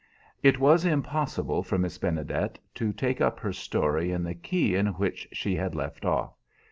It was impossible for Miss Benedet to take up her story in the key in which she had left off.